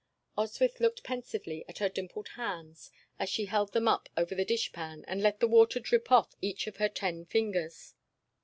Oswyth looked pensively at her dimpled hands as she held them up over the dish pan and let the water drip off of each of her ten fingers.